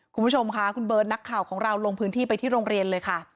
คุณผู้ชมค่ะคุณเบิร์ตนักข่าวของเราลงพื้นที่ไปที่โรงเรียนเลยค่ะ